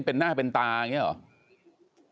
เป็นหน้าเป็นตาอย่างนี้หรอ